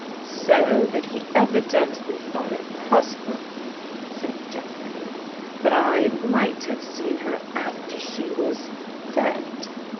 " So that he evidently thought it possible," said (Jeffrey, " that I might have seen her after she was — dead.